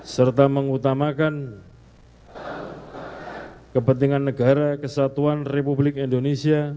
serta mengetamakan kepentingan negara kesatuan remove